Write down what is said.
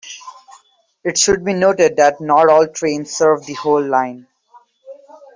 It should be noted that not all trains serve the whole line.